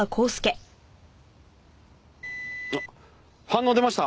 あっ反応出ました。